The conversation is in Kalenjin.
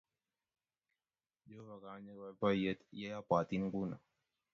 Jehovah kanyii boiboiyet ye abwatin nguno